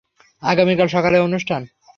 আগামীকাল সকালে অনুষ্ঠান।